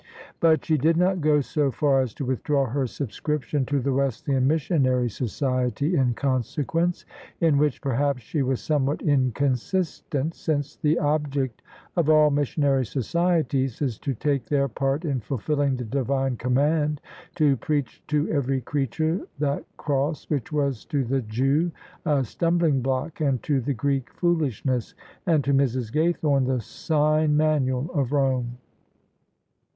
But she did not go so far as to withdraw her subscription to the Wesleyan Missionary Society in consequence: in which, perhaps, she was somewhat inconsistent: since the object of all missionary societies is to take their part in fulfilling the Divine Command, to preach to every creature that Cross which was to the Jew a stumbling block and to the Greek foolishness, and to Mrs. Gaythorne. the sign manual of Rome.